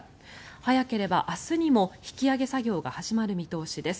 早ければ明日にも引き揚げ作業が始まる見通しです。